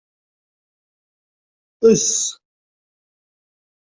Ess!